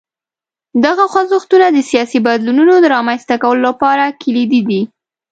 دغه خوځښتونه د سیاسي بدلونونو د رامنځته کولو لپاره کلیدي دي.